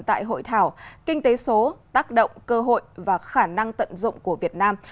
tại hội thảo kinh tế số tác động cơ hội và khả năng tận dụng của việt nam